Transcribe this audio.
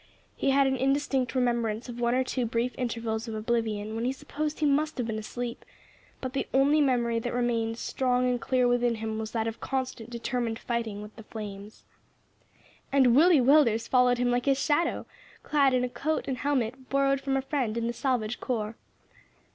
He had an indistinct remembrance of one or two brief intervals of oblivion when he supposed he must have been asleep, but the only memory that remained strong and clear within him was that of constant, determined fighting with the flames. And Willie Willders followed him like his shadow! clad in a coat and helmet borrowed from a friend in the Salvage Corps.